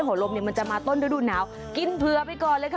ลมเนี่ยมันจะมาต้นฤดูหนาวกินเผื่อไปก่อนเลยค่ะ